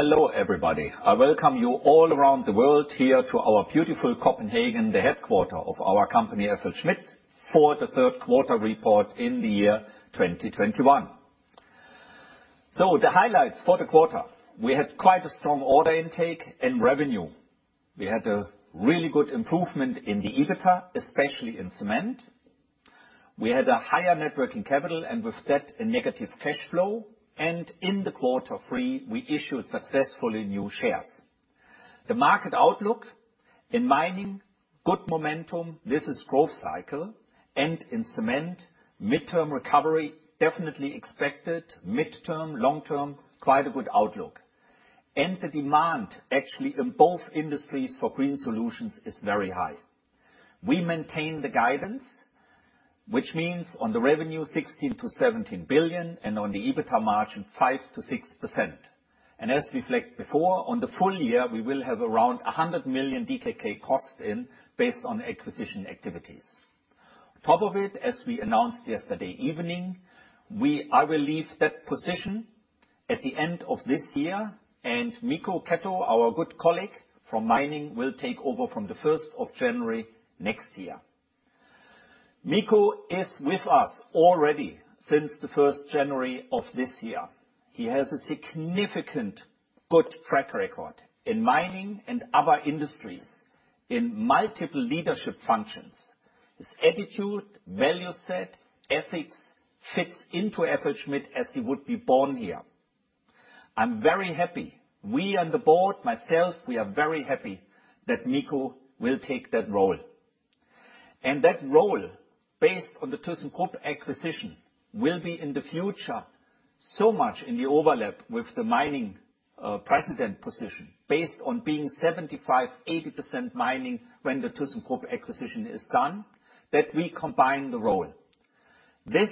Hello, everybody. I welcome you all around the world here to our beautiful Copenhagen, the headquarter of our company, FLSmidth, for the Q3 report in the year 2021. The highlights for the quarter, we had quite a strong order intake and revenue. We had a really good improvement in the EBITDA, especially in cement. We had a higher net working capital, and with that, a negative cash flow. In the quarter three, we issued successfully new shares. The market outlook in mining, good momentum. This is growth cycle. In cement, midterm recovery definitely expected. Midterm, long-term, quite a good outlook. The demand actually in both industries for green solutions is very high. We maintain the guidance, which means on the revenue 16 billion-17 billion and on the EBITDA margin 5%-6%. As we flagged before, on the full year, we will have around 100 million DKK costs incurred based on acquisition activities. On top of it, as we announced yesterday evening, I will leave that position at the end of this year, and Mikko Keto, our good colleague from mining, will take over from the first of January next year. Mikko is with us already since the first of January of this year. He has a significant good track record in mining and other industries in multiple leadership functions. His attitude, value set, ethics fits into FLSmidth as he would be born here. I'm very happy. We and the board, myself, we are very happy that Mikko will take that role. That role, based on the thyssenkrupp acquisition, will be in the future so much in the overlap with the mining president position based on being 75%-80% mining when the thyssenkrupp acquisition is done, that we combine the role. This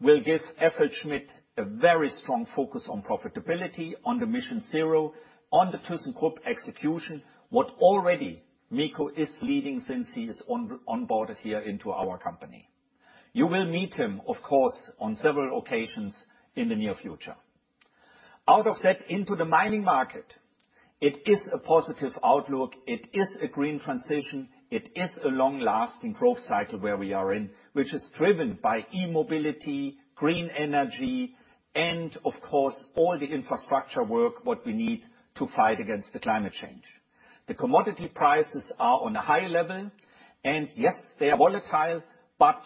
will give FLSmidth a very strong focus on profitability, on the MissionZero, on the thyssenkrupp execution, what already Mikko is leading since he is on board here into our company. You will meet him, of course, on several occasions in the near future. Out of that, into the mining market, it is a positive outlook. It is a green transition. It is a long-lasting growth cycle where we are in, which is driven by e-mobility, green energy, and of course, all the infrastructure work what we need to fight against the climate change. The commodity prices are on a high level. Yes, they are volatile, but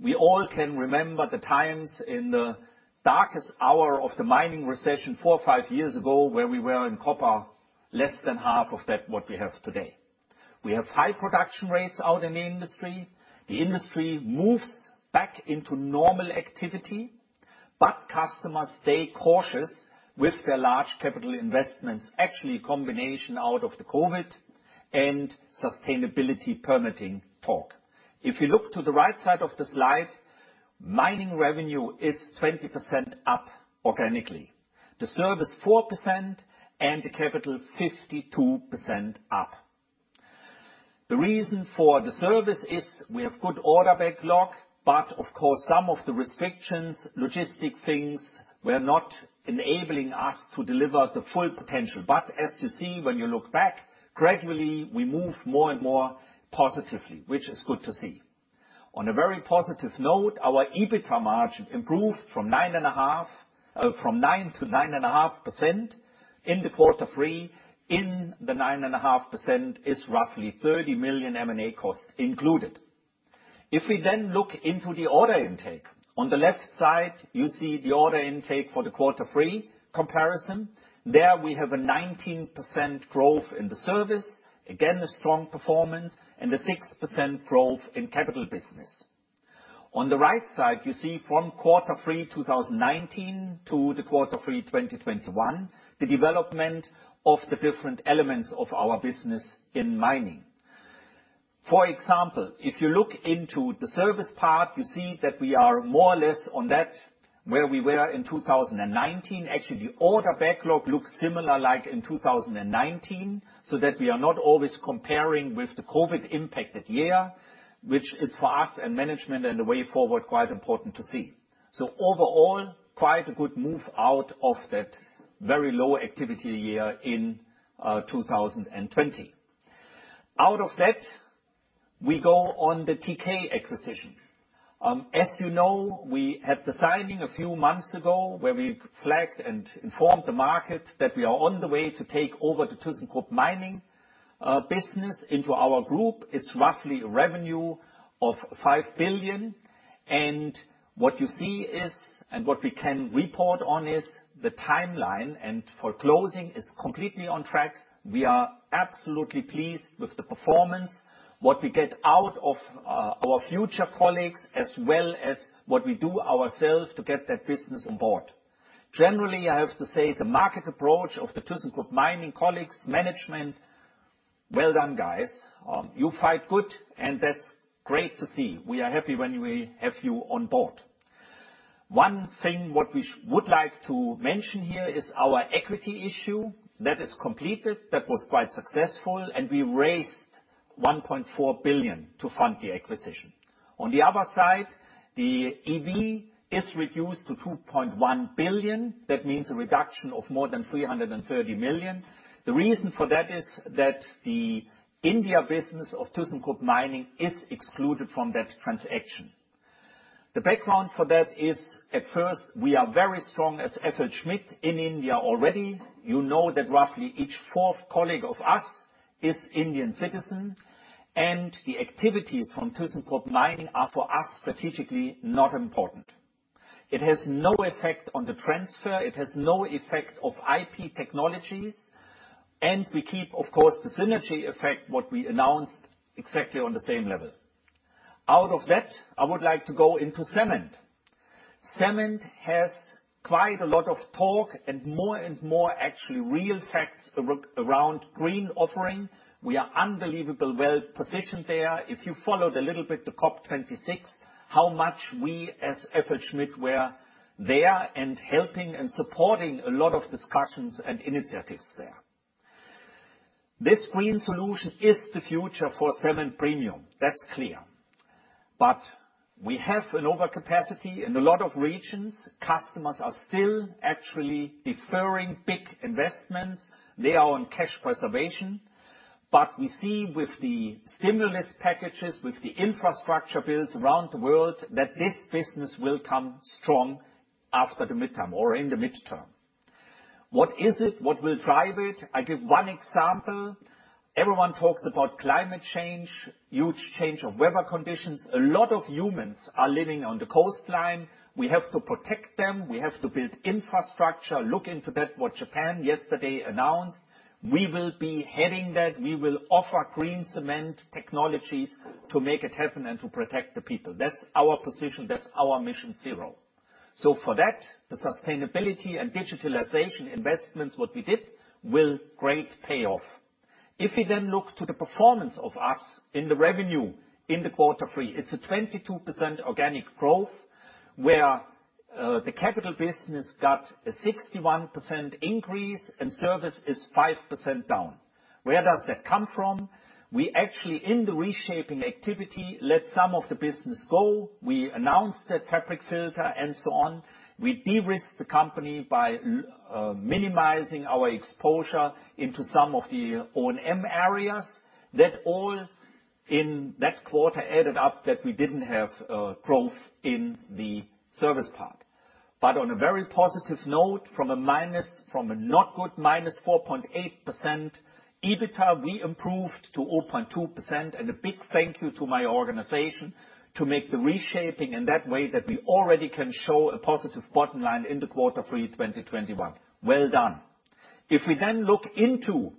we all can remember the times in the darkest hour of the mining recession 4 or 5 years ago, where we were in copper less than half of that what we have today. We have high production rates out in the industry. The industry moves back into normal activity, but customers stay cautious with their large capital investments, actually a combination out of the COVID and sustainability permitting talk. If you look to the right side of the slide, mining revenue is 20% up organically. The service, 4%, and the capital, 52% up. The reason for the service is we have good order backlog, but of course, some of the restrictions, logistic things were not enabling us to deliver the full potential. As you see, when you look back, gradually we move more and more positively, which is good to see. On a very positive note, our EBITDA margin improved from 9% to 9.5% in quarter three. In the 9.5% is roughly 30 million M&A costs included. If we then look into the order intake, on the left side you see the order intake for the quarter three comparison. There we have a 19% growth in the service, again, a strong performance, and a 6% growth in capital business. On the right side, you see from quarter three 2019 to quarter three 2021, the development of the different elements of our business in mining. For example, if you look into the service part, you see that we are more or less on that where we were in 2019. Actually, the order backlog looks similar like in 2019, so that we are not always comparing with the COVID impacted year, which is for us and management and the way forward, quite important to see. Overall, quite a good move out of that very low activity year in 2020. Out of that, we go on the TK acquisition. As you know, we had the signing a few months ago where we flagged and informed the market that we are on the way to take over the thyssenkrupp mining business into our group. It's roughly a revenue of 5 billion. What you see is, and what we can report on is the timeline for closing is completely on track. We are absolutely pleased with the performance, what we get out of our future colleagues, as well as what we do ourselves to get that business on board. Generally, I have to say the market approach of the thyssenkrupp mining colleagues, management, well done, guys. You fight good, and that's great to see. We are happy when we have you on board. One thing what we would like to mention here is our equity issue. That is completed. That was quite successful. We raised 1.4 billion to fund the acquisition. On the other side, the EV is reduced to 2.1 billion. That means a reduction of more than 330 million. The reason for that is that the India business of thyssenkrupp Mining is excluded from that transaction. The background for that is, at first, we are very strong as FLSmidth in India already. You know that roughly each fourth colleague of us is Indian citizen, and the activities from thyssenkrupp Mining are, for us, strategically not important. It has no effect on the transfer. It has no effect of IP technologies. We keep, of course, the synergy effect, what we announced, exactly on the same level. Out of that, I would like to go into cement. Cement has quite a lot of talk, and more and more actually real facts around green offering. We are unbelievably well-positioned there. If you followed a little bit the COP26, how much we as FLSmidth were there and helping and supporting a lot of discussions and initiatives there. This green solution is the future for cement premium. That's clear. We have an overcapacity in a lot of regions. Customers are still actually deferring big investments. They are on cash preservation. We see with the stimulus packages, with the infrastructure bills around the world, that this business will come strong after the midterm or in the midterm. What is it? What will drive it? I give one example. Everyone talks about climate change, huge change of weather conditions. A lot of humans are living on the coastline. We have to protect them. We have to build infrastructure. Look into that what Japan yesterday announced. We will be heading that. We will offer green cement technologies to make it happen and to protect the people. That's our position. That's our MissionZero. For that, the sustainability and digitalization investments, what we did, will greatly pay off. If we then look to the performance of our in the revenue in quarter three, it's a 22% organic growth, where the capital business got a 61% increase and service is 5% down. Where does that come from? We actually, in the reshaping activity, let some of the business go. We announced that fabric filter and so on. We de-risked the company by minimizing our exposure into some of the O&M areas. That all in that quarter added up that we didn't have growth in the service part. On a very positive note, from a not good -4.8% EBITDA, we improved to 0.2%. A big thank you to my organization to make the reshaping in that way that we already can show a positive bottom line in the quarter 3 2021. Well done. If we then look into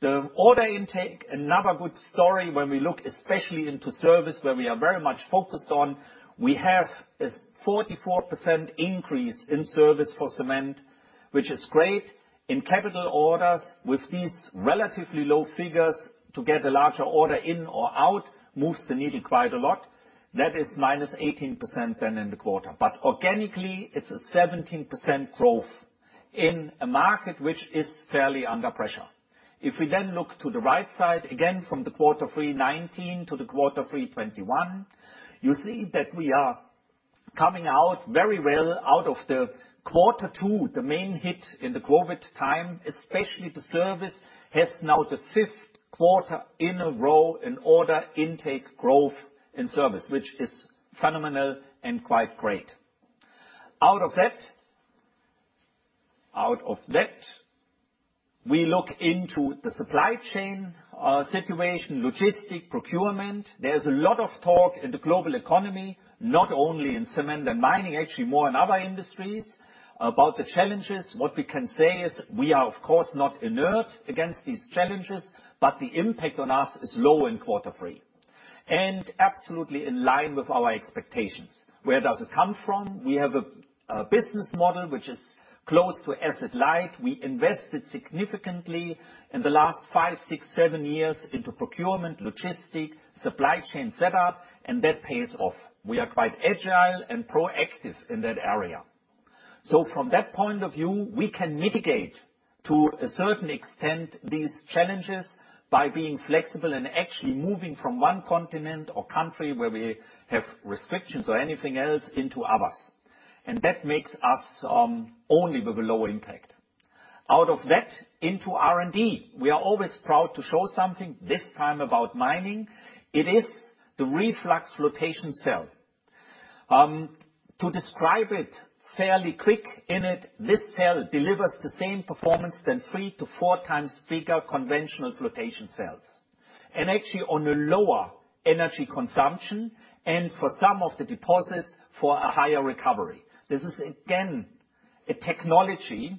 the order intake, another good story when we look especially into service, where we are very much focused on, we have a 44% increase in service for cement, which is great. In capital orders, with these relatively low figures, to get a larger order in or out moves the needle quite a lot. That is -18% then in the quarter. Organically, it's a 17% growth in a market which is fairly under pressure. If we then look to the right side, again, from quarter 3 2019 to quarter 3 2021, you see that we are coming out very well out of quarter 2, the main hit in the COVID time. Especially the service has now the 5th quarter in a row in order intake growth in service, which is phenomenal and quite great. Out of that, we look into the supply chain situation, logistics, procurement. There's a lot of talk in the global economy, not only in cement and mining, actually more in other industries, about the challenges. What we can say is we are, of course, not inert against these challenges, but the impact on us is low in quarter 3 and absolutely in line with our expectations. Where does it come from? We have a business model which is close to asset light. We invested significantly in the last 5, 6, 7 years into procurement, logistics, supply chain setup, and that pays off. We are quite agile and proactive in that area. From that point of view, we can mitigate to a certain extent these challenges by being flexible and actually moving from one continent or country where we have restrictions or anything else into others. That makes us only with a low impact. Out of that into R&D. We are always proud to show something, this time about mining. It is the REFLUX Flotation Cell. To describe it fairly quickly, in it, this cell delivers the same performance as 3-4 times bigger conventional flotation cells, and actually on a lower energy consumption and for some of the deposits, for a higher recovery. This is again, a technology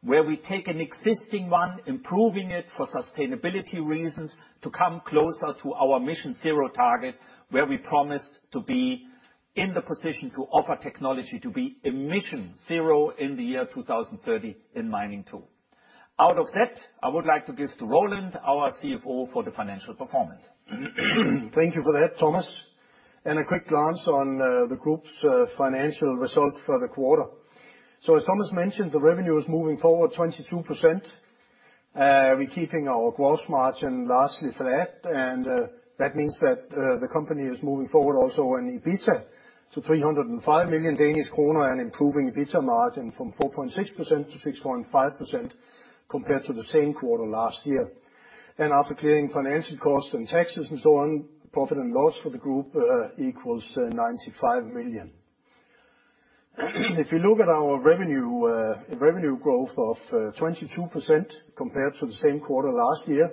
where we take an existing one, improving it for sustainability reasons to come closer to our MissionZero target, where we promise to be in the position to offer technology to be emission zero in the year 2030 in mining too. Out of that, I would like to give to Roland, our CFO, for the financial performance. Thank you for that, Thomas. A quick glance on the group's financial result for the quarter. As Thomas mentioned, the revenue is moving forward 22%. We're keeping our gross margin largely flat, and that means that the company is moving forward also in EBITDA, to 305 million Danish kroner and improving EBITDA margin from 4.6% to 6.5% compared to the same quarter last year. After clearing financial costs and taxes and so on, profit and loss for the group equals 95 million. If you look at our revenue growth of 22% compared to the same quarter last year,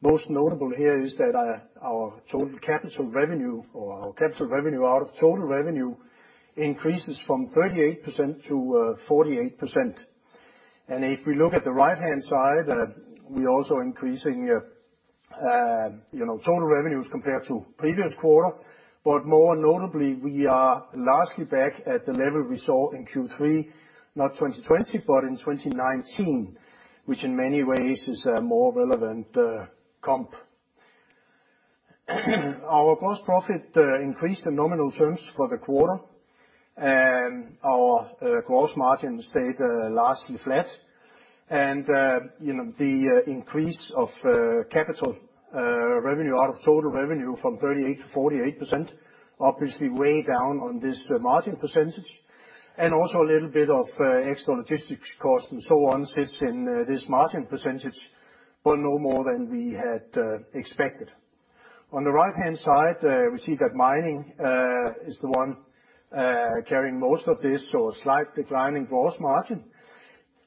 most notable here is that our total capital revenue or our capital revenue out of total revenue increases from 38% to 48%. If we look at the right-hand side, we're also increasing, you know, total revenues compared to previous quarter. More notably, we are largely back at the level we saw in Q3, not 2020, but in 2019, which in many ways is a more relevant comp. Our gross profit increased in nominal terms for the quarter, and our gross margin stayed largely flat. You know, the increase of capital revenue out of total revenue from 38%-48%, obviously weighs down on this margin percentage. Also a little bit of extra logistics cost and so on sits in this margin percentage, but no more than we had expected. On the right-hand side, we see that mining is the one carrying most of this, so a slight decline in gross margin.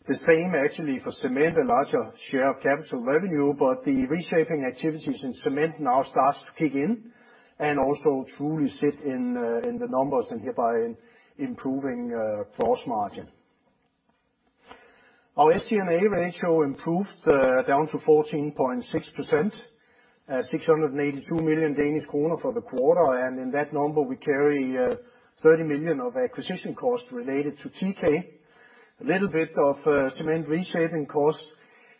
The same actually for cement, a larger share of capital revenue, but the reshaping activities in cement now starts to kick in and also truly sit in the numbers and hereby improving gross margin. Our SG&A ratio improved down to 14.6%, 682 million Danish kroner for the quarter. In that number, we carry 30 million of acquisition costs related to TK, a little bit of cement reshaping costs,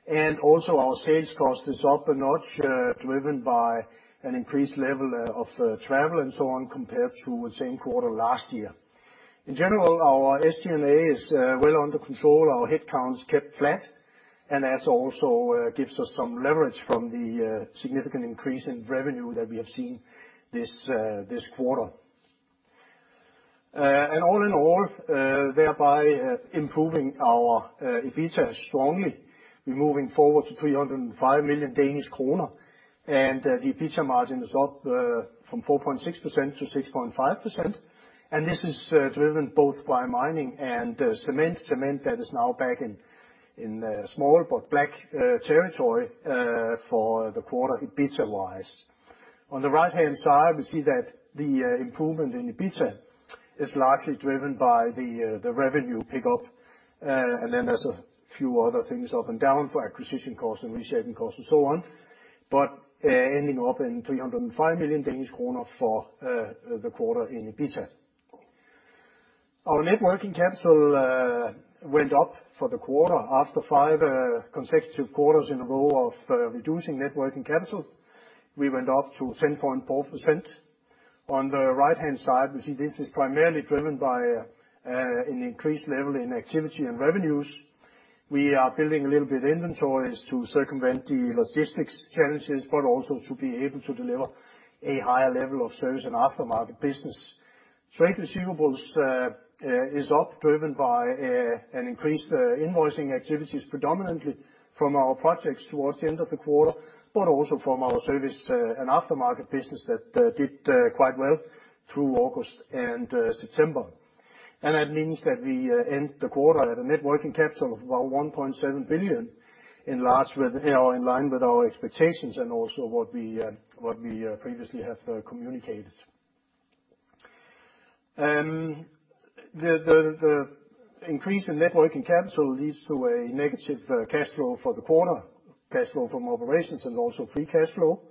and also our sales cost is up a notch, driven by an increased level of travel and so on compared to the same quarter last year. In general, our SG&A is well under control. Our head count is kept flat, and that also gives us some leverage from the significant increase in revenue that we have seen this quarter. All in all, thereby improving our EBITDA strongly. We're moving forward to 305 million Danish kroner, and the EBITDA margin is up from 4.6% to 6.5%. This is driven both by mining and cement. Cement that is now back in small but black ink territory for the quarter EBITDA-wise. On the right-hand side, we see that the improvement in EBITDA is largely driven by the revenue pickup. Then there's a few other things up and down for acquisition costs and reshaping costs and so on. Ending up in 305 million Danish kroner for the quarter in EBITDA. Our net working capital went up for the quarter after five consecutive quarters in a row of reducing net working capital. We went up to 10.4%. On the right-hand side, we see this is primarily driven by an increased level in activity and revenues. We are building a little bit inventories to circumvent the logistics challenges, but also to be able to deliver a higher level of service and aftermarket business. Trade receivables is up, driven by an increased invoicing activities predominantly from our projects towards the end of the quarter, but also from our service and aftermarket business that did quite well through August and September. That means that we end the quarter at a net working capital of about 1.7 billion, largely in line with our expectations and also what we previously have communicated. The increase in net working capital leads to a negative cash flow for the quarter, cash flow from operations and also free cash flow.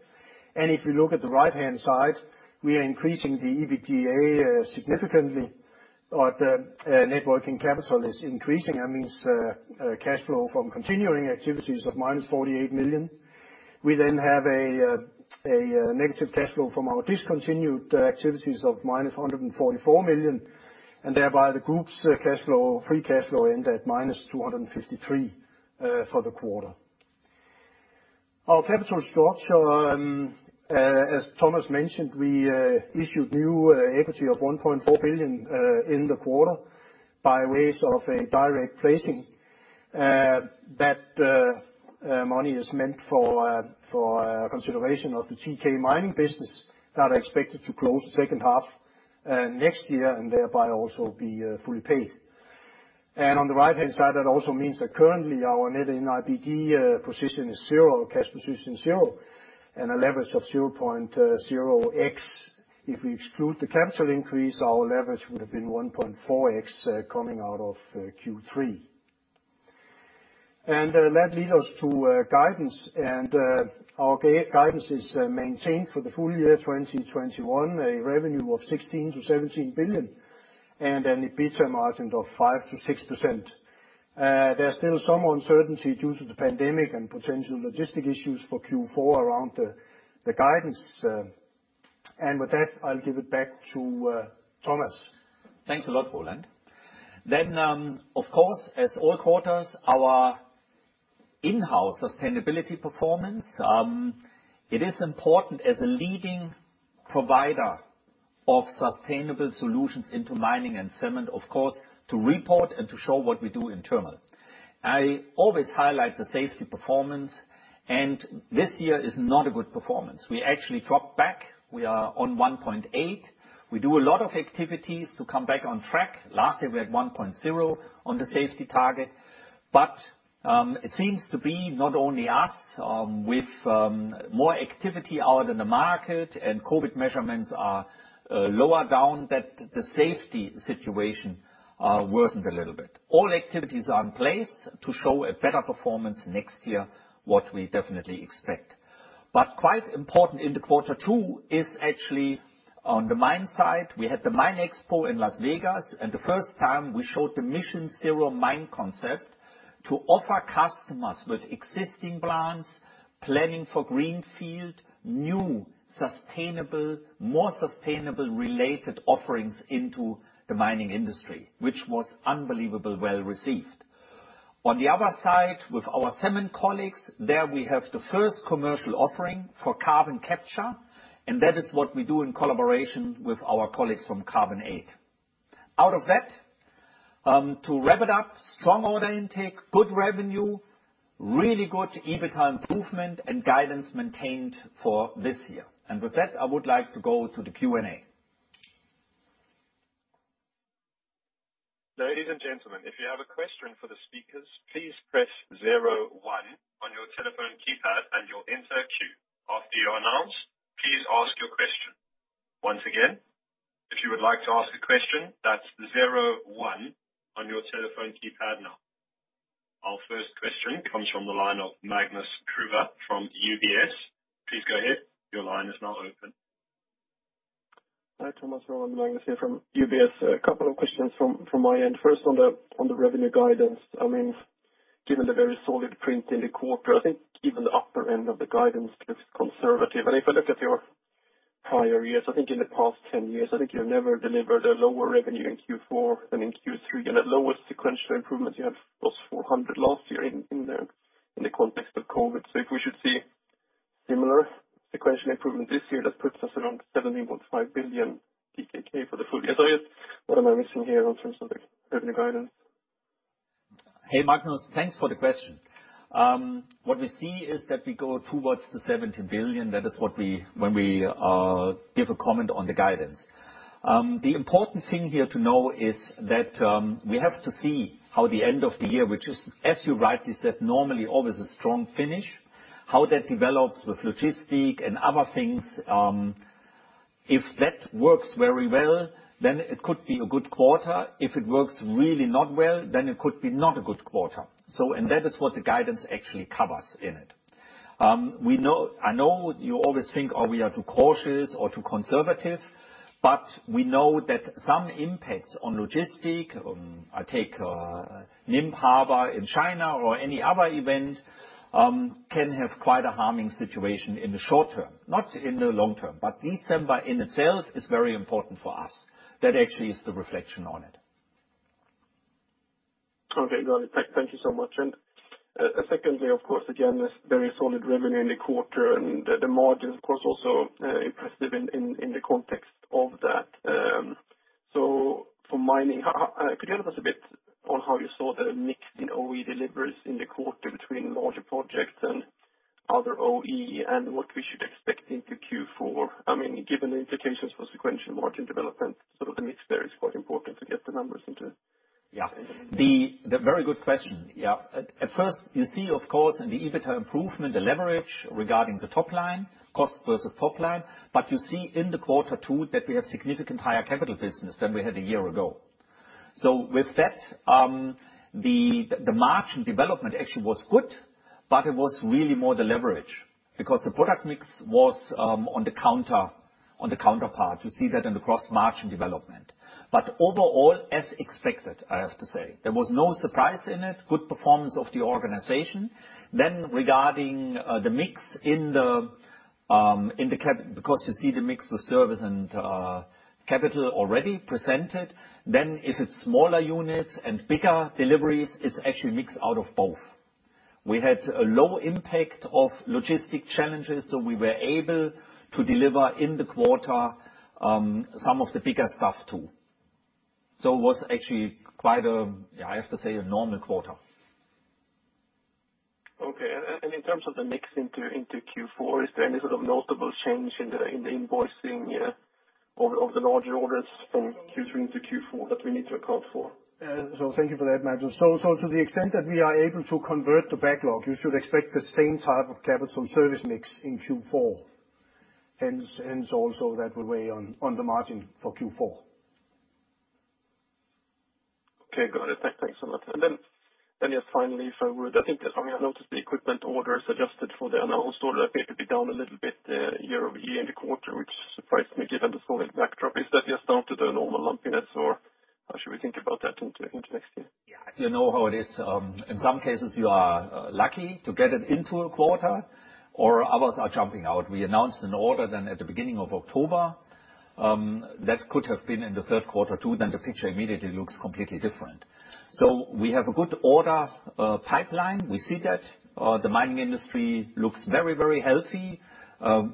If you look at the right-hand side, we are increasing the EBITDA significantly, but net working capital is increasing. That means cash flow from continuing activities of -48 million. We then have a negative cash flow from our discontinued activities of -144 million, and thereby the group's cash flow, free cash flow ends at -253 million for the quarter. Our capital structure, as Thomas mentioned, we issued new equity of 1.4 billion in the quarter by way of a direct placing. That money is meant for consideration of the TK Mining business that are expected to close the second half next year and thereby also be fully paid. On the right-hand side, that also means that currently our net NIBD position is zero, cash position is zero, and a leverage of 0.0x. If we exclude the capital increase, our leverage would have been 1.4x coming out of Q3. That lead us to guidance. Our guidance is maintained for the full year 2021, a revenue of 16 billion-17 billion and an EBITDA margin of 5%-6%. There's still some uncertainty due to the pandemic and potential logistics issues for Q4 around the guidance. With that, I'll give it back to Thomas. Thanks a lot, Roland. Of course, as in all quarters, our in-house sustainability performance. It is important as a leading provider of sustainable solutions into mining and cement, of course, to report and to show what we do internal. I always highlight the safety performance, and this year is not a good performance. We actually dropped back. We are on 1.8. We do a lot of activities to come back on track. Last year, we had 1.0 on the safety target, but it seems to be not only us, with more activity out in the market and COVID measures are lower down, that the safety situation worsened a little bit. All activities are in place to show a better performance next year, what we definitely expect. Quite important in the quarter too is actually on the mine site. We had the MINExpo in Las Vegas, and the first time we showed the MissionZero mine concept to offer customers with existing plants, planning for greenfield, new, sustainable, more sustainable related offerings into the mining industry, which was unbelievably well-received. On the other side, with our cement colleagues, there we have the first commercial offering for carbon capture, and that is what we do in collaboration with our colleagues from CarbonCure. Out of that, to wrap it up, strong order intake, good revenue, really good EBITA improvement and guidance maintained for this year. With that, I would like to go to the Q&A. Ladies and gentlemen, if you have a question for the speakers, please press zero one on your telephone keypad and your answer queue. After you're announced, please ask your question. Once again, if you would like to ask a question, that's zero one on your telephone keypad now. Our first question comes from the line of Magnus Kruber from UBS. Please go ahead. Your line is now open. Hi, Thomas. Magnus Kruber here from UBS. A couple of questions from my end. First, on the revenue guidance. I mean, given the very solid print in the quarter, I think even the upper end of the guidance looks conservative. If I look at your prior years, I think in the past 10 years, I think you've never delivered a lower revenue in Q4 than in Q3. The lowest sequential improvement you have was 400 million last year in the context of COVID. If we should see similar sequential improvement this year, that puts us around 70.5 billion for the full year. Yes, what am I missing here in terms of the revenue guidance? Hey, Magnus. Thanks for the question. What we see is that we go towards the 17 billion. That is what we give a comment on the guidance. The important thing here to know is that we have to see how the end of the year, which is, as you rightly said, normally always a strong finish, how that develops with logistics and other things. If that works very well, then it could be a good quarter. If it works really not well, then it could be not a good quarter. That is what the guidance actually covers in it. I know you always think, oh, we are too cautious or too conservative, but we know that some impacts on logistics, I take, Ningbo Harbor in China or any other event, can have quite a harming situation in the short term, not in the long term. December in itself is very important for us. That actually is the reflection on it. Okay. Got it. Thank you so much. Secondly, of course, again, this very solid revenue in the quarter and the margin, of course, also impressive in the context of that. Could you help us a bit on how you saw the mix in OE deliveries in the quarter between larger projects and other OE and what we should expect into Q4? I mean, given the implications for sequential margin development, the mix there is quite important to get the numbers into. Very good question. Yeah. At first, you see, of course, in the EBITA improvement, the leverage regarding the top line, cost versus top line. You see in the quarter too that we have significant higher capital business than we had a year ago. With that, the margin development actually was good, but it was really more the leverage because the product mix was on the contrary. You see that in the gross-margin development. Overall, as expected, I have to say. There was no surprise in it. Good performance of the organization. Regarding the mix in the capital. Because you see the mix with service and capital already presented. If it's smaller units and bigger deliveries, it's actually mixed out of both. We had a low impact of logistics challenges, so we were able to deliver in the quarter, some of the bigger stuff, too. It was actually quite, I have to say, a normal quarter. Okay. In terms of the mix into Q4, is there any sort of notable change in the invoicing of the larger orders from Q3 into Q4 that we need to account for? Thank you for that, Magnus. To the extent that we are able to convert the backlog, you should expect the same type of capital service mix in Q4. Also that will weigh on the margin for Q4. Okay. Got it. Thanks so much. Then, yeah, finally, if I would, I think that, I mean, I noticed the equipment orders adjusted for the announced order appeared to be down a little bit year-over-year in the quarter, which surprised me given the solid backdrop. Is that just down to the normal lumpiness, or how should we think about that into next year? You know how it is. In some cases you are lucky to get it into a quarter or others are jumping out. We announced an order then at the beginning of October that could have been in the Q3 too. Then the picture immediately looks completely different. So we have a good order pipeline. We see that. The mining industry looks very, very healthy.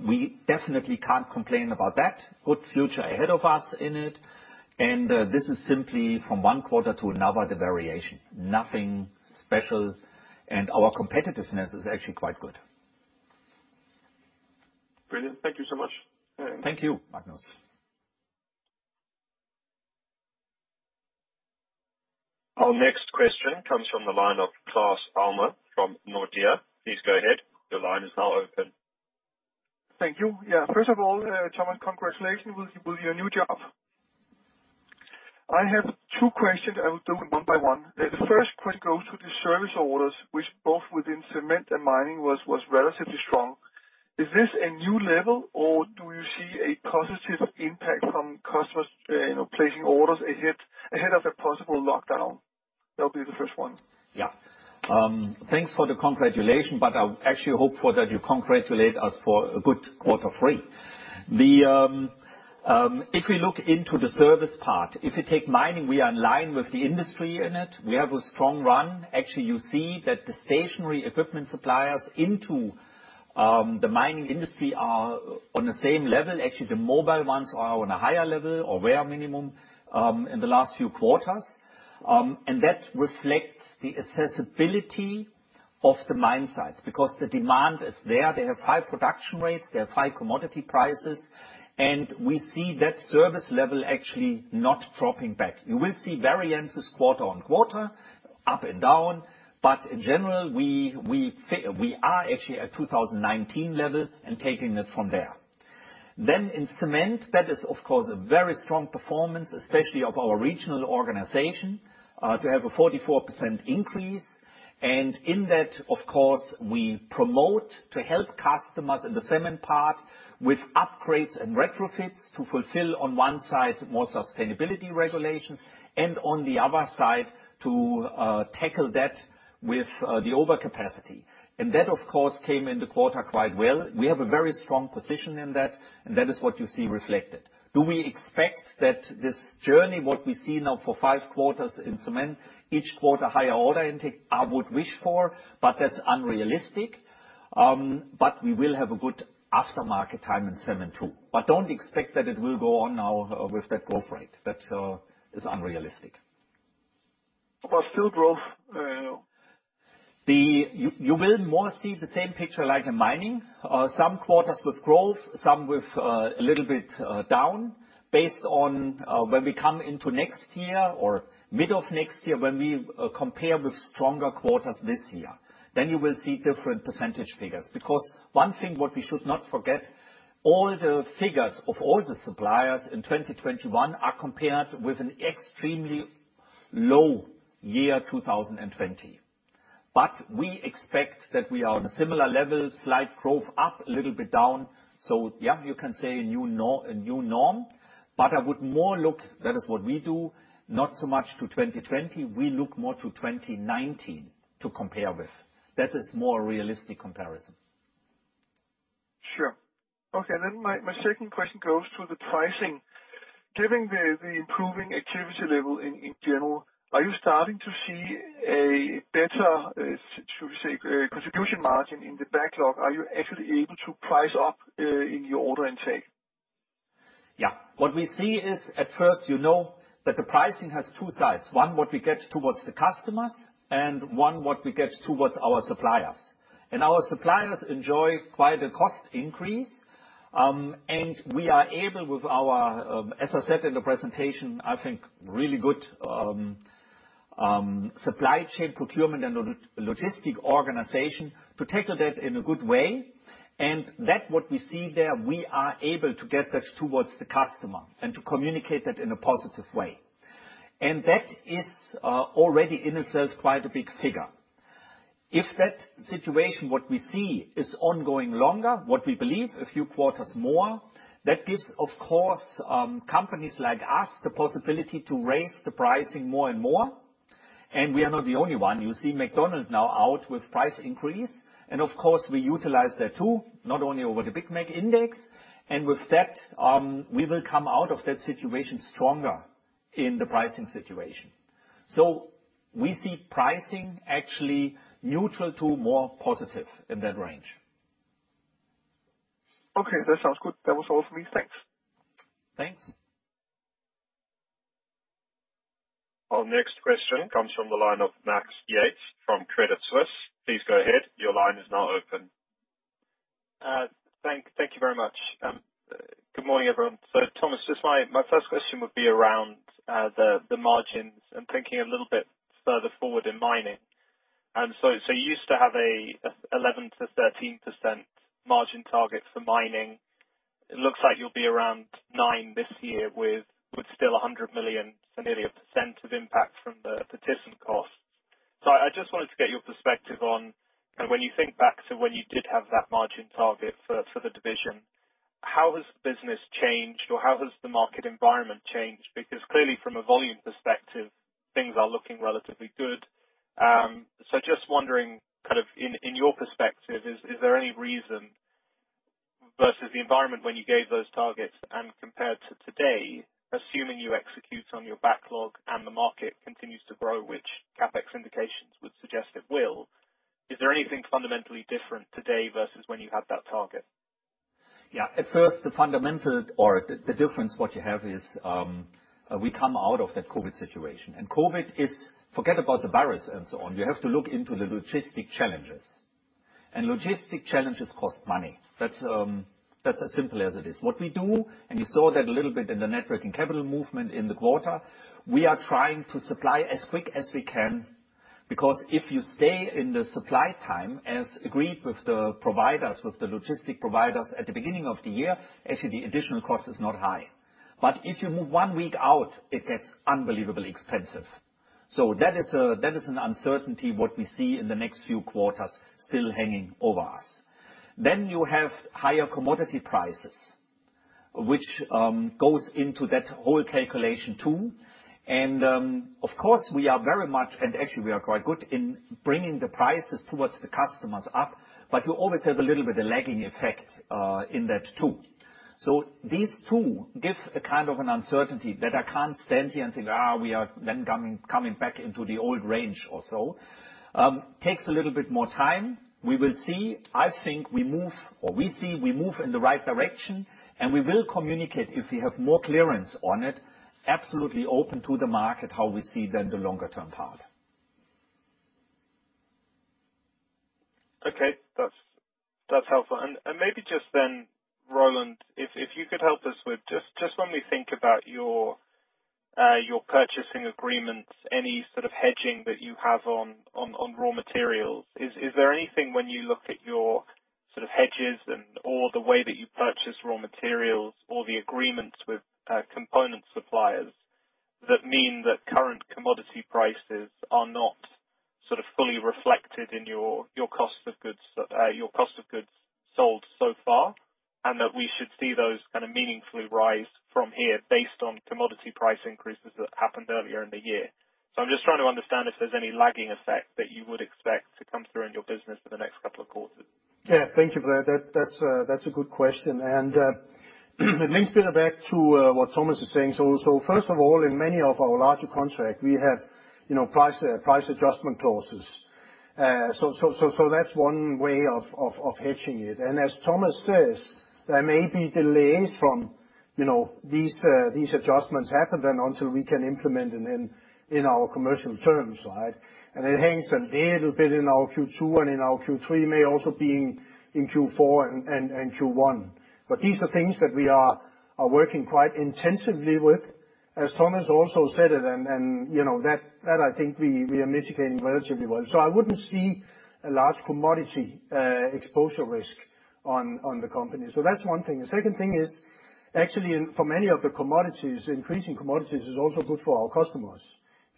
We definitely can't complain about that. Good future ahead of us in it. This is simply from one quarter to another, the variation. Nothing special, and our competitiveness is actually quite good. Brilliant. Thank you so much. Thank you, Magnus. Our next question comes from the line of Claus Almer from Nordea. Please go ahead. Your line is now open. Thank you. Yeah. First of all, Thomas, congratulations with your new job. I have two questions. I will do it one by one. The first question goes to the service orders, which both within cement and mining was relatively strong. Is this a new level or do you see a positive impact from customers, you know, placing orders ahead of a possible lockdown? That'll be the first one. Yeah. Thanks for the congratulations, but I actually hope that you congratulate us for a good quarter three. If we look into the service part, if you take mining, we are in line with the industry in it. We have a strong run. Actually, you see that the stationary equipment suppliers into the mining industry are on the same level. Actually, the mobile ones are on a higher level or were, at minimum, in the last few quarters. That reflects the accessibility of the mine sites because the demand is there. They have high production rates. They have high commodity prices. We see that service level actually not dropping back. You will see variances quarter on quarter, up and down. In general, we are actually at 2019 level and taking it from there. In cement, that is of course a very strong performance, especially of our regional organization, to have a 44% increase. In that of course, we promote to help customers in the cement part with upgrades and retrofits to fulfill on one side, more sustainability regulations and on the other side to tackle that with the overcapacity. That of course came in the quarter quite well. We have a very strong position in that, and that is what you see reflected. Do we expect that this journey, what we see now for 5 quarters in cement, each quarter higher order intake? I would wish for, but that's unrealistic. But we will have a good aftermarket time in cement too. Don't expect that it will go on now with that growth rate. That's unrealistic. Still growth. You will more see the same picture like in mining. Some quarters with growth, some with a little bit down based on when we come into next year or mid of next year, when we compare with stronger quarters this year. You will see different percentage figures. Because one thing what we should not forget, all the figures of all the suppliers in 2021 are compared with an extremely low year, 2020. We expect that we are on a similar level, slight growth up, a little bit down. Yeah, you can say a new norm, but I would more look, that is what we do, not so much to 2020. We look more to 2019 to compare with. That is more realistic comparison. Sure. Okay. My second question goes to the pricing. Given the improving activity level in general, are you starting to see a better, should we say, contribution margin in the backlog? Are you actually able to price up in your order intake? Yeah. What we see is at first, you know that the pricing has two sides. One, what we get towards the customers, and one, what we get towards our suppliers. Our suppliers enjoy quite a cost increase. We are able with our, as I said in the presentation, I think really good, supply chain procurement and logistic organization to tackle that in a good way. What we see there, we are able to get that towards the customer and to communicate that in a positive way. That is already in itself quite a big figure. If that situation what we see is ongoing longer, what we believe a few quarters more, that gives of course, companies like us the possibility to raise the pricing more and more. We are not the only one. You see McDonald's now out with price increase. Of course, we utilize that too, not only over the Big Mac Index. With that, we will come out of that situation stronger in the pricing situation. We see pricing actually neutral to more positive in that range. Okay, that sounds good. That was all for me. Thanks. Thanks. Our next question comes from the line of Max Yates from Credit Suisse. Please go ahead. Your line is now open. Thank you very much. Good morning, everyone. Thomas, just my first question would be around the margins and thinking a little bit further forward in mining. You used to have an 11%-13% margin target for mining. It looks like you'll be around 9% this year with still 100 million, so nearly 1% of impact from the thyssenkrupp cost. I just wanted to get your perspective on, you know, when you think back to when you did have that margin target for the division. How has business changed or how has the market environment changed? Because clearly from a volume perspective, things are looking relatively good. Just wondering, kind of in your perspective, is there any reason versus the environment when you gave those targets and compared to today, assuming you execute on your backlog and the market continues to grow, which CapEx indications would suggest it will. Is there anything fundamentally different today versus when you had that target? Yeah. At first, the fundamental difference what you have is, we come out of that COVID situation. COVID is. Forget about the virus and so on. You have to look into the logistic challenges. Logistic challenges cost money. That's as simple as it is. What we do, and you saw that a little bit in the net working capital movement in the quarter, we are trying to supply as quick as we can, because if you stay in the supply time as agreed with the providers, with the logistic providers at the beginning of the year, actually, the additional cost is not high. If you move one week out, it gets unbelievably expensive. That is an uncertainty what we see in the next few quarters still hanging over us. You have higher commodity prices, which goes into that whole calculation too. Of course, we are very much and actually we are quite good in bringing the prices towards the customers up, but you always have a little bit of lagging effect in that too. These two give a kind of an uncertainty that I can't stand here and say, "we are then coming back into the old range or so." Takes a little bit more time. We will see. I think we move or we see we move in the right direction, and we will communicate if we have more clearance on it. Absolutely open to the market how we see then the longer term part. Okay. That's helpful. Maybe just then, Roland, if you could help us with just when we think about your purchasing agreements, any sort of hedging that you have on raw materials, is there anything when you look at your sort of hedges and or the way that you purchase raw materials or the agreements with component suppliers that mean that current commodity prices are not sort of fully reflected in your cost of goods, your cost of goods sold so far, and that we should see those kinda meaningfully rise from here based on commodity price increases that happened earlier in the year? I'm just trying to understand if there's any lagging effect that you would expect to come through in your business for the next couple of quarters. Yeah. Thank you for that. That's a good question. It links a bit back to what Thomas is saying. First of all, in many of our larger contracts, we have price adjustment clauses. That's one way of hedging it. As Thomas says, there may be delays from when these adjustments happen until we can implement in our commercial terms, right? It hangs a little bit in our Q2 and in our Q3, may also be in Q4 and Q1. These are things that we are working quite intensively with. As Thomas also said, I think we are mitigating relatively well. I wouldn't see a large commodity exposure risk on the company. That's one thing. The second thing is, actually for many of the commodities, increasing commodities is also good for our customers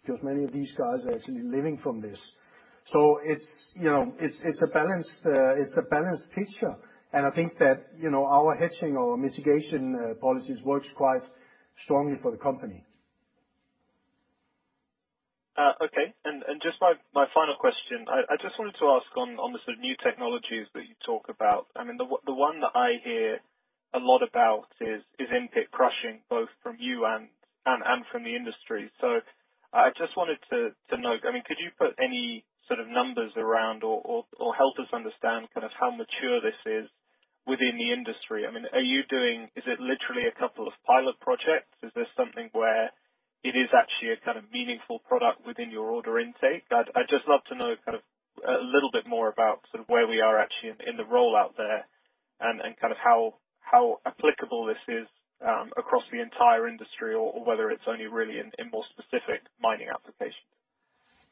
because many of these guys are actually living from this. It's, you know, a balanced picture. I think that, you know, our hedging or mitigation policies works quite strongly for the company. Okay. Just my final question, I just wanted to ask on the sort of new technologies that you talk about. I mean, the one that I hear a lot about is in-pit crushing, both from you and from the industry. I just wanted to know, I mean, could you put any sort of numbers around or help us understand kind of how mature this is within the industry? I mean, is it literally a couple of pilot projects? Is this something where it is actually a kind of meaningful product within your order intake? I'd just love to know kind of a little bit more about sort of where we are actually in the rollout there and kind of how applicable this is across the entire industry or whether it's only really in more specific mining applications.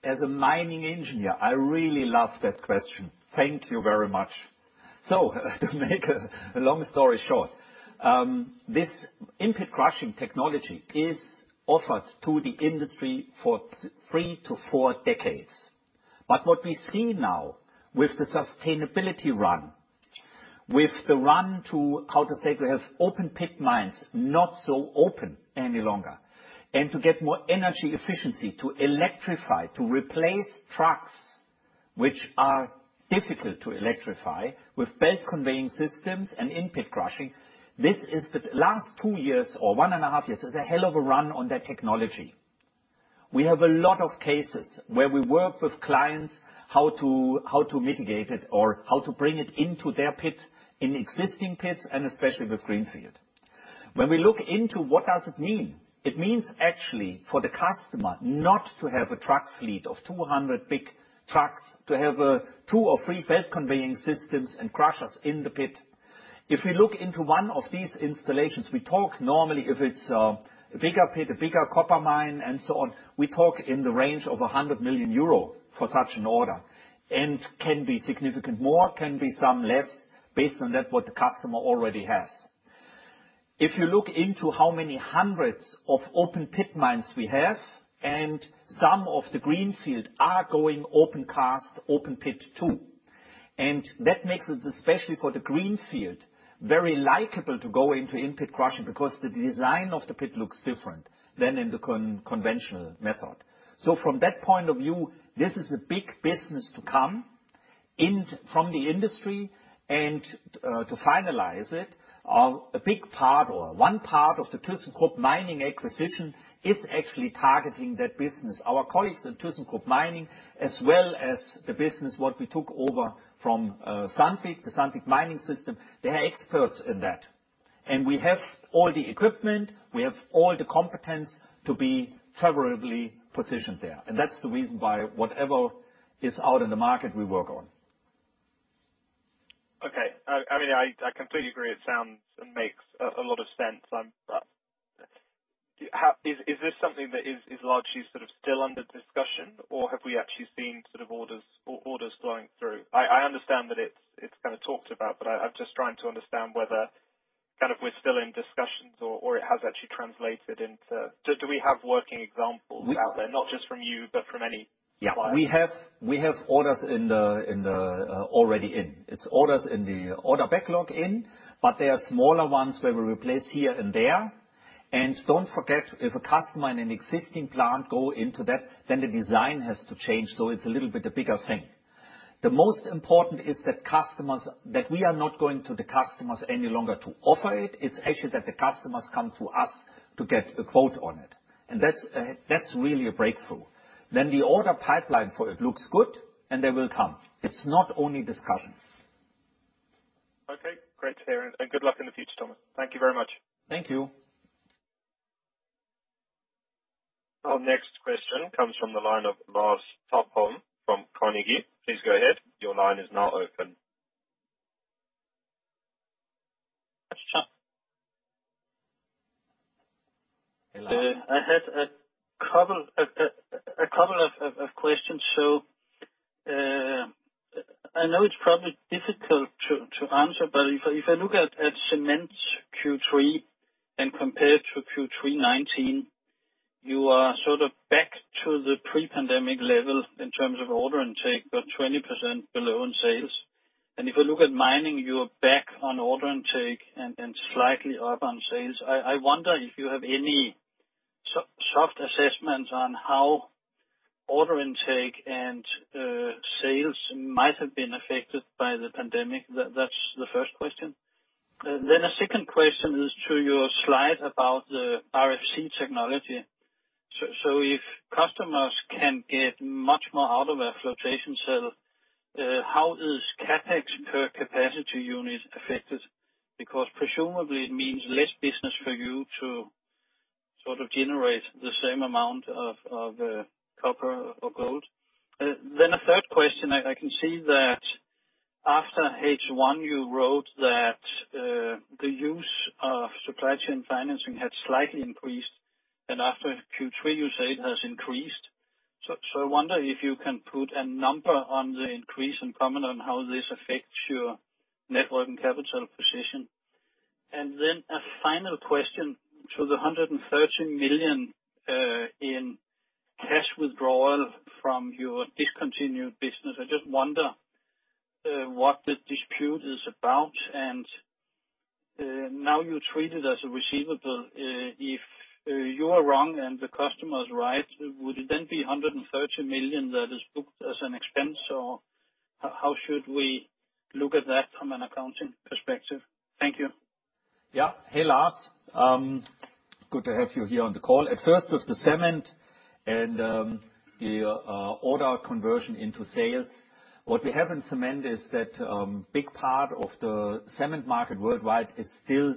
As a mining engineer, I really love that question. Thank you very much. To make a long story short, this in-pit crushing technology is offered to the industry for 3-4 decades. What we see now with the sustainability run, with the run to how to say we have open pit mines not so open any longer, and to get more energy efficiency, to electrify, to replace trucks which are difficult to electrify with belt conveying systems and in-pit crushing. This, in the last two years or one and a half years, is a hell of a run on that technology. We have a lot of cases where we work with clients, how to mitigate it or how to bring it into their pit in existing pits, and especially with greenfield. When we look into what does it mean? It means actually for the customer not to have a truck fleet of 200 big trucks, to have two or three belt conveying systems and crushers in the pit. If we look into one of these installations, we talk normally if it's a bigger pit, a bigger copper mine and so on, we talk in the range of 100 million euro for such an order. It can be significantly more, can be somewhat less based on what the customer already has. If you look into how many hundreds of open pit mines we have and some of the greenfield are going open cast, open pit too. That makes it, especially for the greenfield, very viable to go into in-pit crushing because the design of the pit looks different than in the conventional method. From that point of view, this is a big business to come in from the industry and to finalize it. A big part or one part of the thyssenkrupp mining acquisition is actually targeting that business. Our colleagues at thyssenkrupp Mining, as well as the business that we took over from Sandvik, the Sandvik Mining Systems, they are experts in that. We have all the equipment, we have all the competence to be favorably positioned there. That's the reason why whatever is out in the market, we work on. Okay. I mean, I completely agree. It sounds and makes a lot of sense. Is this something that is largely sort of still under discussion or have we actually seen sort of orders flowing through? I understand that it's kinda talked about, but I'm just trying to understand whether kind of we're still in discussions or it has actually translated into do we have working examples out there, not just from you, but from any client? Yeah. We have orders already in. It's orders in the order backlog, but they are smaller ones where we replace here and there. Don't forget, if a customer in an existing plant go into that, then the design has to change. It's a little bit a bigger thing. The most important is that we are not going to the customers any longer to offer it. It's actually that the customers come to us to get a quote on it. That's really a breakthrough. The order pipeline for it looks good, and they will come. It's not only discussions. Okay. Great to hear and good luck in the future, Thomas. Thank you very much. Thank you. Our next question comes from the line of Lars Topholm from Carnegie. Please go ahead. Your line is now open. Hello? I had a couple of questions. I know it's probably difficult to answer, but if I look at Cement Q3 and compare to Q3 2019, you are sort of back to the pre-pandemic level in terms of order intake, but 20% below in sales. If I look at mining, you are back on order intake and slightly up on sales. I wonder if you have any soft assessment on how order intake and sales might have been affected by the pandemic. That's the first question. A second question is to your slide about the RFC technology. If customers can get much more out of a flotation cell, how is CapEx per capacity unit affected? Because presumably it means less business for you to sort of generate the same amount of copper or gold. A third question, I can see that after H1, you wrote that the use of supply chain financing had slightly increased, and after Q3, you say it has increased. I wonder if you can put a number on the increase in comment on how this affects your net working capital position. A final question, to the 113 million in cash withdrawal from your discontinued business, I just wonder what the dispute is about and now you treat it as a receivable. If you are wrong and the customer is right, would it then be 113 million that is booked as an expense, or how should we look at that from an accounting perspective? Thank you. Yeah. Hey, Lars. Good to have you here on the call. At first, with the cement and the order conversion into sales, what we have in cement is that big part of the cement market worldwide is still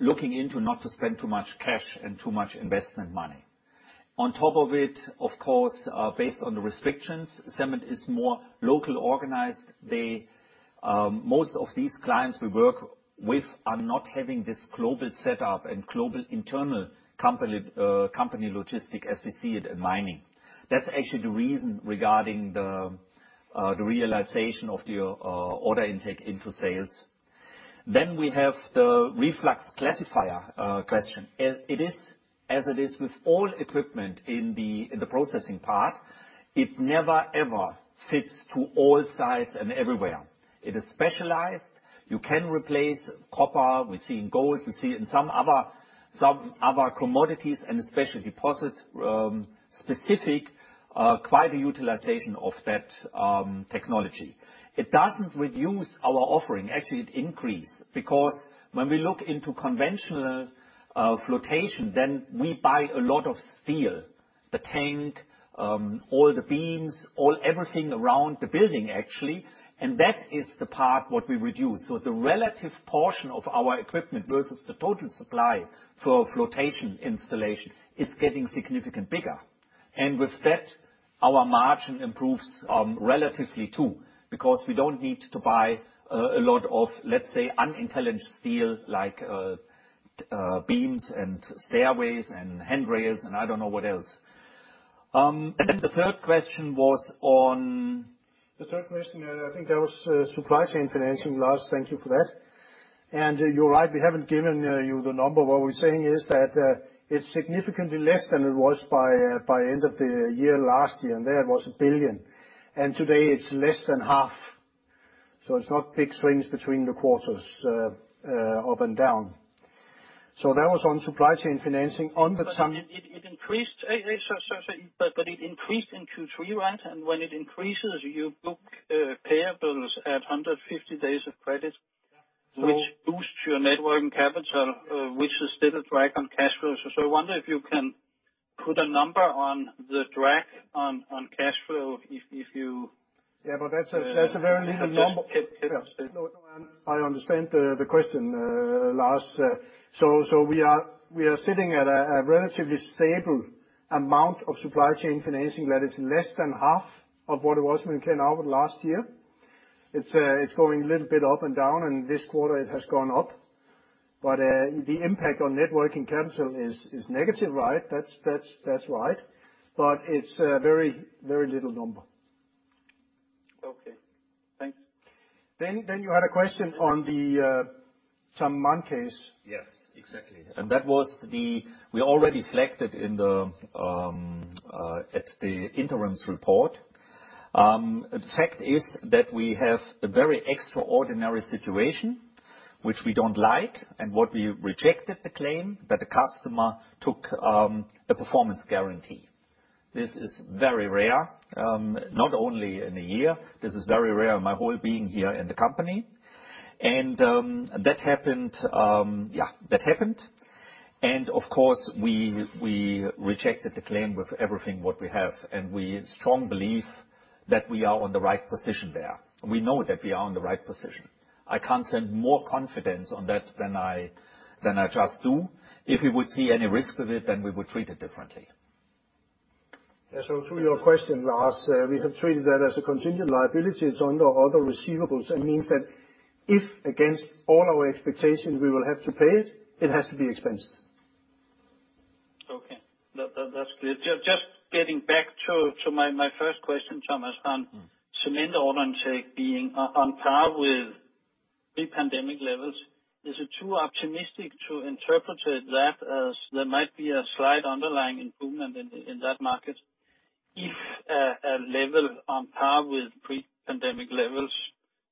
looking into not to spend too much cash and too much investment money. On top of it, of course, based on the restrictions, cement is more local organized. They, most of these clients we work with are not having this global setup and global internal company company logistic as we see it in mining. That's actually the reason regarding the realization of the order intake into sales. We have the REFLUX Classifier question. It is as it is with all equipment in the processing part, it never, ever fits to all sites and everywhere. It is specialized. You can replace copper, we see in gold, we see it in some other commodities and especially deposit specific quite a utilization of that technology. It doesn't reduce our offering. Actually, it increase because when we look into conventional flotation, then we buy a lot of steel, the tank, all the beams, everything around the building, actually. That is the part what we reduce. The relative portion of our equipment versus the total supply for flotation installation is getting significantly bigger. With that, our margin improves, relatively too, because we don't need to buy a lot of, let's say, unintelligent steel like beams and stairways and handrails and I don't know what else. The third question was on. The third question, I think that was supply chain financing, Lars. Thank you for that. You're right, we haven't given you the number. What we're saying is that it's significantly less than it was by end of the year last year, and there it was 1 billion. Today it's less than half. It's not big swings between the quarters up and down. That was on supply chain financing. On the time- It increased. Sorry. It increased in Q3, right? When it increases, you book payables at 150 days of credit- Yeah. which boosts your net working capital, which is still a drag on cash flows. I wonder if you can put a number on the drag on cash flow if you- Yeah, that's a very little number. It, it- No, I understand the question, Lars. We are sitting at a relatively stable amount of supply chain financing that is less than half of what it was when we came out last year. It's going a little bit up and down, and this quarter it has gone up. The impact on net working capital is negative, right. That's right. It's a very little number. Okay. Thanks. You had a question on the Samman case. Yes, exactly. We already flagged it in the interim report. The fact is that we have a very extraordinary situation which we don't like, and we rejected the claim that the customer took a performance guarantee. This is very rare, not only in a year, this is very rare in my whole time here in the company. That happened. Of course, we rejected the claim with everything we have, and we strongly believe that we are on the right position there. We know that we are on the right position. I can't lend more confidence on that than I just do. If we would see any risk of it, then we would treat it differently. Yeah. To your question, Lars, we have treated that as a contingent liability. It's under other receivables. It means that if against all our expectations we will have to pay it has to be expensed. Okay. That's clear. Just getting back to my first question, Thomas, on cement order intake being on par with pre-pandemic levels. Is it too optimistic to interpret that as there might be a slight underlying improvement in that market if a level on par with pre-pandemic levels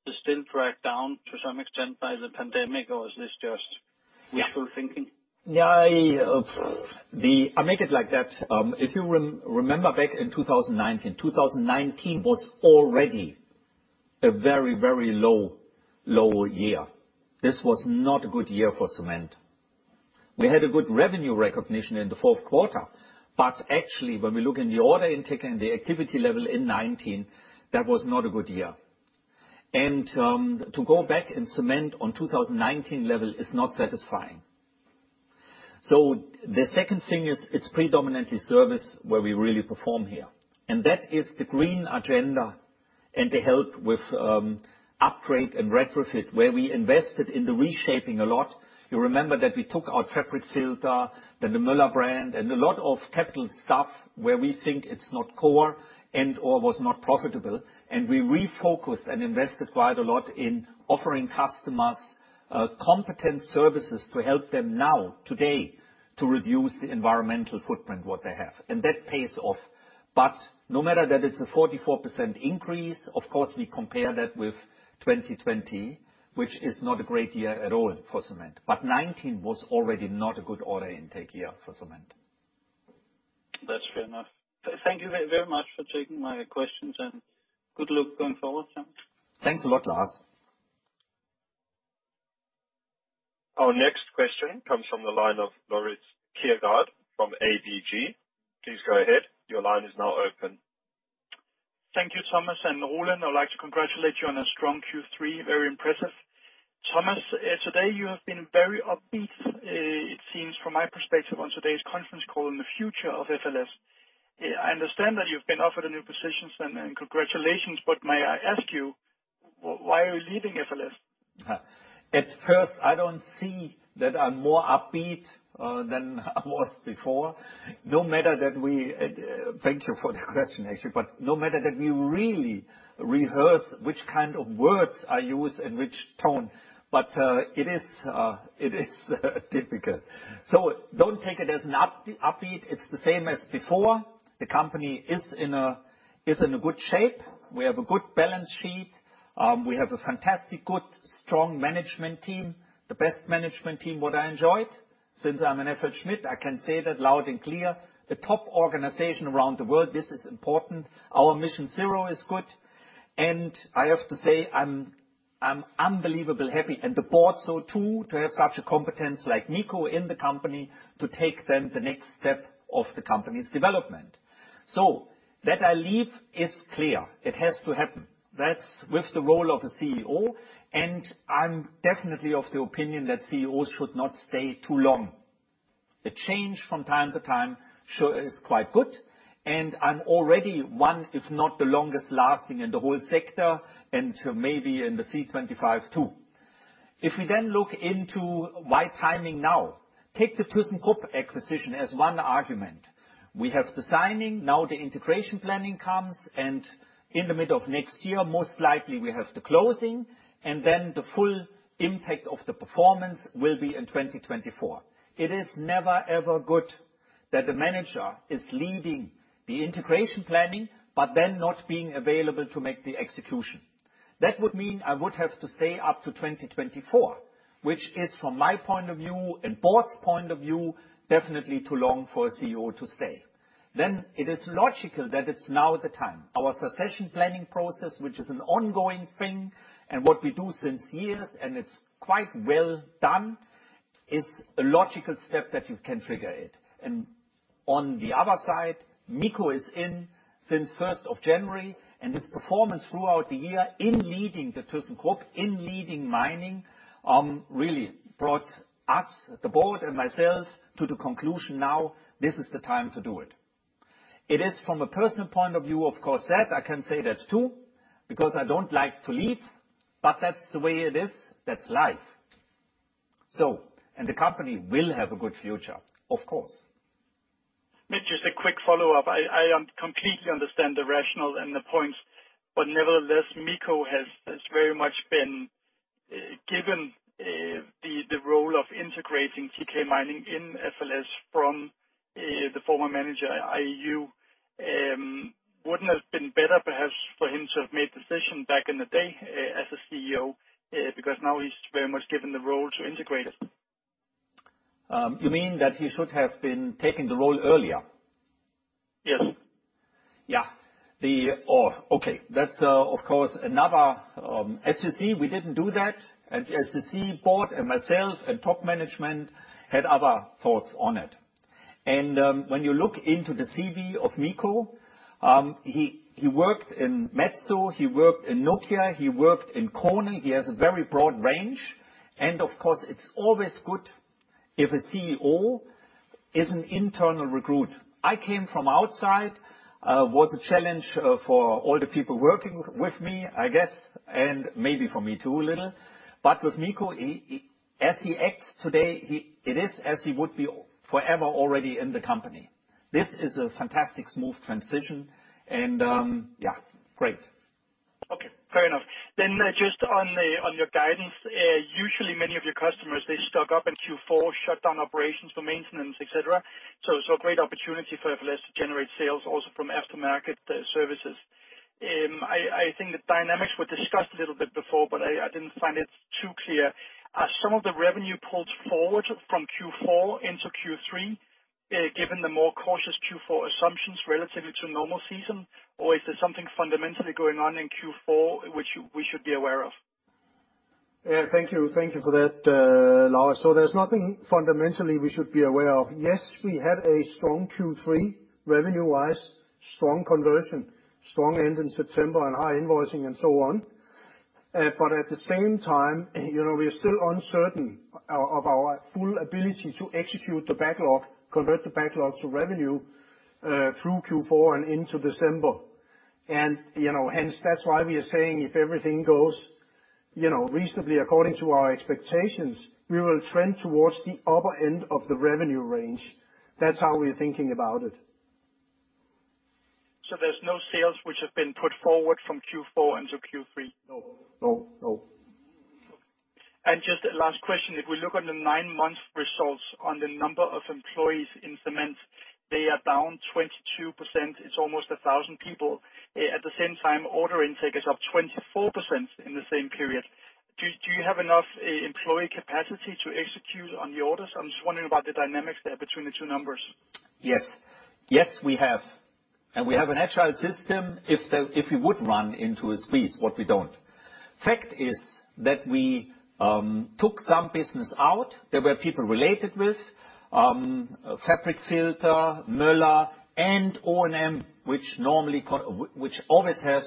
is still dragged down to some extent by the pandemic, or is this just wishful thinking? I make it like that. If you remember back in 2019. 2019 was already a very low year. This was not a good year for cement. We had a good revenue recognition in the Q4. Actually, when we look at the order intake and the activity level in 2019, that was not a good year. To go back in cement on 2019 level is not satisfying. The second thing is it's predominantly service where we really perform here, and that is the green agenda and the help with upgrade and retrofit, where we invested in the reshaping a lot. You remember that we took our fabric filter, then the Möller brand, and a lot of capital stuff where we think it's not core and/or was not profitable. We refocused and invested quite a lot in offering customers, competent services to help them now, today, to reduce the environmental footprint what they have. That pays off. No matter that it's a 44% increase, of course, we compare that with 2020, which is not a great year at all for cement. Nineteen was already not a good order intake year for cement. That's fair enough. Thank you very much for taking my questions. Good luck going forward, Thomas. Thanks a lot, Lars. Our next question comes from the line of Laurits Kjærgaard from ABG. Please go ahead. Your line is now open. Thank you, Thomas and Roland. I'd like to congratulate you on a strong Q3. Very impressive. Thomas, today you have been very upbeat. It seems from my perspective on today's conference call about the future of FLS. I understand that you've been offered a new position, and congratulations. May I ask you, why are you leaving FLS? At first, I don't see that I'm more upbeat than I was before. Thank you for the question, actually. No matter that we really rehearse which kind of words I use and which tone. It is difficult. Don't take it as an upbeat. It's the same as before. The company is in a good shape. We have a good balance sheet. We have a fantastic, good, strong management team. The best management team what I enjoyed. Since I'm an FLSmidth, I can say that loud and clear. A top organization around the world. This is important. Our MissionZero is good. I have to say I'm unbelievably happy, and the board so too, to have such a competence like Nico in the company to take them the next step of the company's development. That I leave is clear. It has to happen. That's with the role of a CEO, and I'm definitely of the opinion that CEOs should not stay too long. A change from time to time sure is quite good, and I'm already one, if not the longest lasting in the whole sector, and maybe in the C25 too. If we then look into why timing now, take the thyssenkrupp acquisition as one argument. We have the signing, now the integration planning comes, and in the middle of next year, most likely we have the closing, and then the full impact of the performance will be in 2024. It is never ever good that the manager is leading the integration planning, but then not being available to make the execution. That would mean I would have to stay up to 2024, which is from my point of view and board's point of view, definitely too long for a CEO to stay. It is logical that it's now the time. Our succession planning process, which is an ongoing thing and what we do for years and it's quite well done, is a logical step that you can trigger it. On the other side, Mikko is in since first of January, and his performance throughout the year in leading the thyssenkrupp, in leading mining, really brought us, the board and myself, to the conclusion now this is the time to do it. It is from a personal point of view, of course, sad. I can say that too, because I don't like to leave, but that's the way it is. That's life. The company will have a good future, of course. Mitch, just a quick follow-up. I completely understand the rationale and the points, but nevertheless, Mikko has very much been given the role of integrating TK Mining in FLS from the former manager, i.e. you. Wouldn't it have been better perhaps for him to have made the decision back in the day, as the CEO, because now he's very much given the role to integrate it? You mean that he should have been taking the role earlier? Yes. Yeah. That's, of course, another. As you see, we didn't do that. As you see, board and myself and top management had other thoughts on it. When you look into the CV of Mikko, he worked in Metso, he worked in Nokia, he worked in KONE. He has a very broad range. Of course, it's always good if a CEO is an internal recruit. I came from outside, was a challenge for all the people working with me, I guess, and maybe for me too, a little. With Mikko, he, as he acts today, it is as he would be forever already in the company. This is a fantastic smooth transition. Yeah, great. Okay, fair enough. Just on your guidance, usually many of your customers, they stock up in Q4, shut down operations for maintenance, et cetera. So a great opportunity for FLS to generate sales also from aftermarket services. I think the dynamics were discussed a little bit before, but I didn't find it too clear. Are some of the revenue pulled forward from Q4 into Q3, given the more cautious Q4 assumptions relative to normal season? Or is there something fundamentally going on in Q4 which we should be aware of? Yeah, thank you. Thank you for that, Lars. There's nothing fundamentally we should be aware of. Yes, we had a strong Q3 revenue-wise, strong conversion, strong end in September and high invoicing and so on. At the same time, you know, we are still uncertain of our full ability to execute the backlog, convert the backlog to revenue, through Q4 and into December. You know, hence, that's why we are saying if everything goes, you know, reasonably according to our expectations, we will trend towards the upper end of the revenue range. That's how we're thinking about it. There's no sales which have been put forward from Q4 into Q3? No, no. Just a last question. If we look on the nine-month results on the number of employees in Cement, they are down 22%. It's almost 1,000 people. At the same time, order intake is up 24% in the same period. Do you have enough employee capacity to execute on the orders? I'm just wondering about the dynamics there between the two numbers. Yes. Yes, we have. We have an agile system if we would run into a squeeze, what we don't. Fact is that we took some business out. There were people related with fabric filter, Möller, and O&M, which normally always has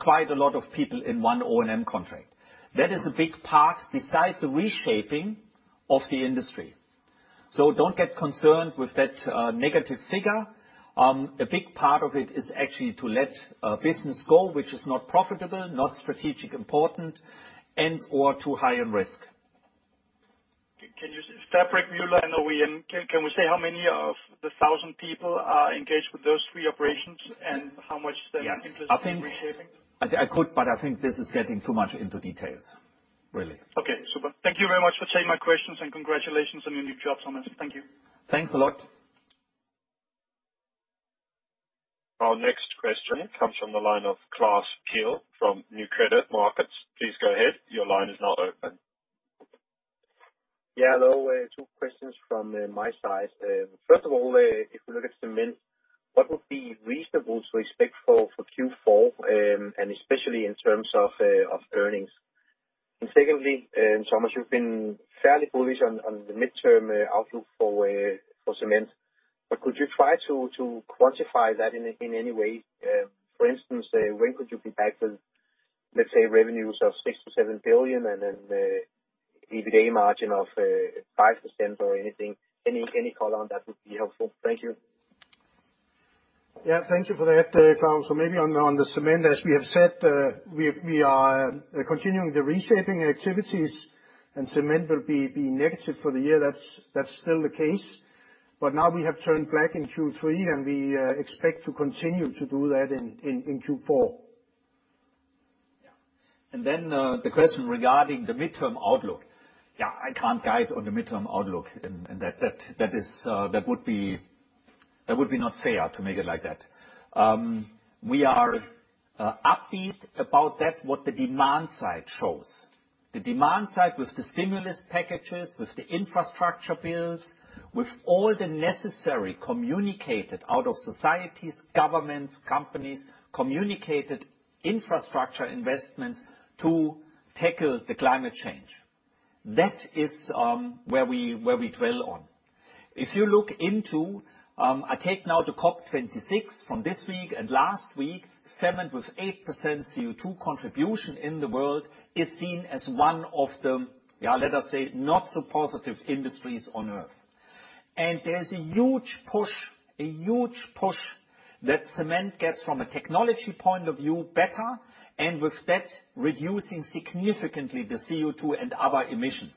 quite a lot of people in one O&M contract. That is a big part beside the reshaping of the industry. Don't get concerned with that negative figure. A big part of it is actually to let business go, which is not profitable, not strategic important, and/or too high in risk. Can you fabric filter, Möller and O&M, can we say how many of the 1,000 people are engaged with those three operations and how much then? Yes. is interested in reshaping? I think I could, but I think this is getting too much into details, really. Okay. Super. Thank you very much for taking my questions, and congratulations on your new job, Thomas. Thank you. Thanks a lot. Our next question comes from the line of Claus Gille from Nykredit Markets. Please go ahead. Your line is now open. Yeah. Hello. Two questions from my side. First of all, if we look at Cement, what would be reasonable to expect for Q4, and especially in terms of earnings? Secondly, Thomas, you've been fairly bullish on the midterm outlook for Cement, but could you try to quantify that in any way? For instance, when could you be back with, let's say, revenues of 6 billion-7 billion and then a EBITDA margin of 5% or anything? Any color on that would be helpful. Thank you. Yeah, thank you for that, Claus. Maybe on the cement, as we have said, we are continuing the reshaping activities and cement will be negative for the year. That's still the case. Now we have turned black in Q3, and we expect to continue to do that in Q4. The question regarding the midterm outlook. I can't guide on the midterm outlook and that is, that would be not fair to make it like that. We are upbeat about that, what the demand side shows. The demand side with the stimulus packages, with the infrastructure bills, with all the necessary communicated out of societies, governments, companies, communicated infrastructure investments to tackle the climate change. That is where we dwell on. If you look into, I take now the COP26 from this week and last week. Cement with 8% CO2 contribution in the world is seen as one of the, let us say, not so positive industries on Earth. There's a huge push that cement gets from a technology point of view better, and with that, reducing significantly the CO2 and other emissions.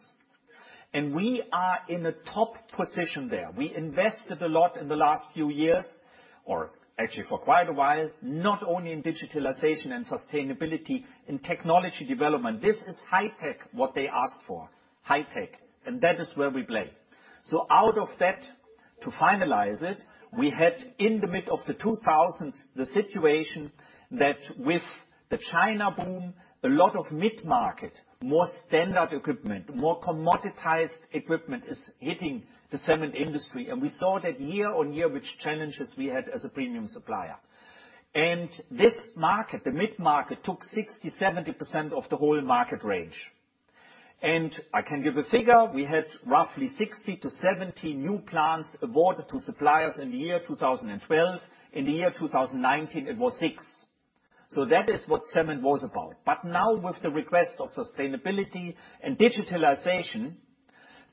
We are in a top position there. We invested a lot in the last few years, or actually for quite a while, not only in digitalization and sustainability, in technology development. This is high tech, what they asked for. High tech, and that is where we play. Out of that, to finalize it, we had in the mid-2000s the situation that with the China boom, a lot of mid-market, more standard equipment, more commoditized equipment is hitting the cement industry. We saw that year-on-year, which challenges we had as a premium supplier. This market, the mid-market, took 60%-70% of the whole market range. I can give a figure. We had roughly 60-70 new plants awarded to suppliers in the year 2012. In the year 2019, it was 6. That is what cement was about. Now with the request of sustainability and digitalization,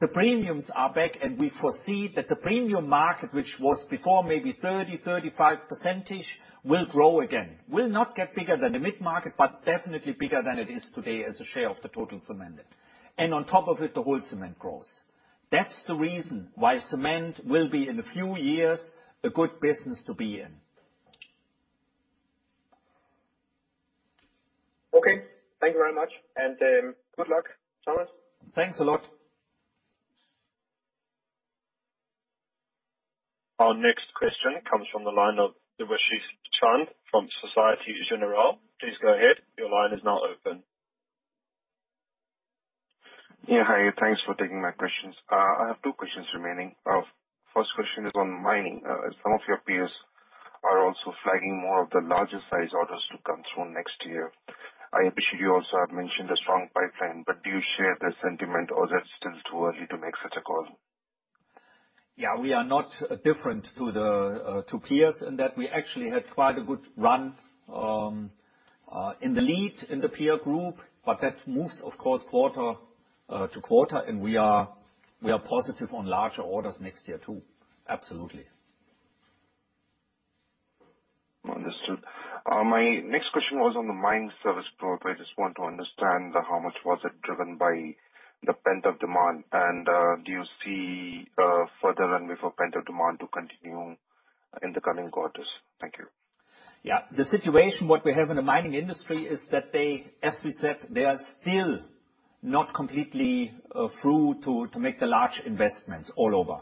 the premiums are back, and we foresee that the premium market, which was before maybe 30-35%, will grow again. Will not get bigger than the mid-market, but definitely bigger than it is today as a share of the total cement. On top of it, the whole cement grows. That's the reason why cement will be, in a few years, a good business to be in. Okay. Thank you very much. Good luck, Thomas. Thanks a lot. Our next question comes from the line of Debashis Chand from Societe Generale. Please go ahead. Your line is now open. Yeah. Hi, thanks for taking my questions. I have two questions remaining. First question is on mining. Some of your peers are also flagging more of the larger size orders to come through next year. I appreciate you also have mentioned a strong pipeline, but do you share the sentiment or that's still too early to make such a call? Yeah. We are not different to the peers in that we actually had quite a good run in the lead in the peer group, but that moves, of course, quarter to quarter, and we are positive on larger orders next year too. Absolutely. Understood. My next question was on the mining service growth. I just want to understand how much was it driven by the pent-up demand, and, do you see, further runway for pent-up demand to continue in the coming quarters? Thank you. Yeah. The situation what we have in the mining industry is that they, as we said, are still not completely through to make the large investments all over.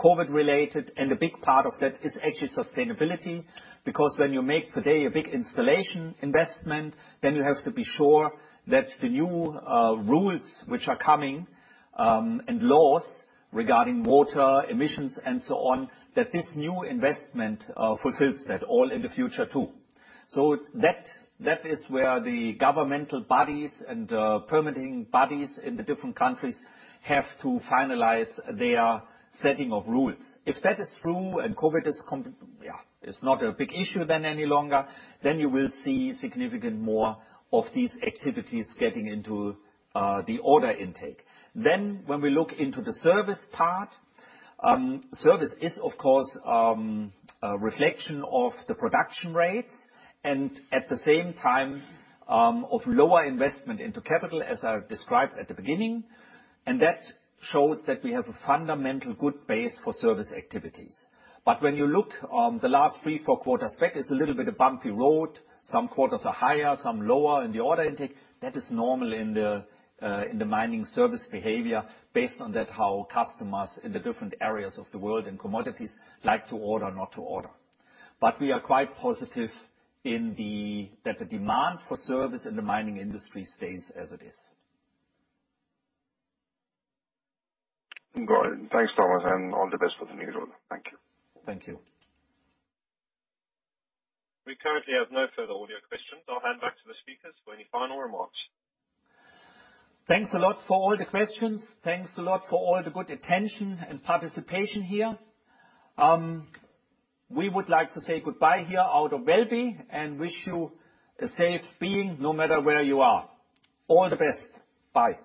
COVID-related, and a big part of that is actually sustainability, because when you make today a big installation investment, then you have to be sure that the new rules which are coming and laws regarding water emissions and so on, that this new investment fulfills that all in the future too. That is where the governmental bodies and permitting bodies in the different countries have to finalize their setting of rules. If that is through and COVID is not a big issue any longer, then you will see significant more of these activities getting into the order intake. When we look into the service part, service is, of course, a reflection of the production rates and at the same time, of lower investment into capital as I described at the beginning. That shows that we have a fundamental good base for service activities. When you look on the last three, four quarters, that is a little bit of bumpy road. Some quarters are higher, some lower in the order intake. That is normal in the mining service behavior based on that how customers in the different areas of the world and commodities like to order, not to order. We are quite positive that the demand for service in the mining industry stays as it is. Great. Thanks, Thomas, and all the best for the new year. Thank you. Thank you. We currently have no further audio questions. I'll hand back to the speakers for any final remarks. Thanks a lot for all the questions. Thanks a lot for all the good attention and participation here. We would like to say goodbye here from Valby and wish you a safe evening no matter where you are. All the best. Bye. Bye.